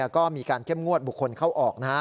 ก็มีการเข้มงวดบุคคลเข้าออก